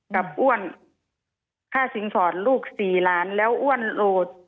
กับอ้วนค่าสินสอดลูก๔ล้านแล้วอ้วนโหลด